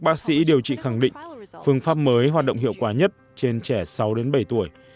bác sĩ điều trị khẳng định phương pháp mới hoạt động hiệu quả nhất trên trẻ sáu đến bảy tuổi